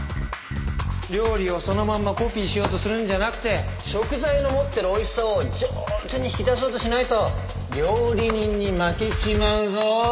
料理をそのまんまコピーしようとするんじゃなくて食材の持ってるおいしさを上手に引き出そうとしないと料理人に負けちまうぞ。